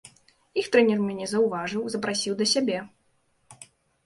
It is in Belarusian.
Іх трэнер мяне заўважыў, запрасіў да сябе.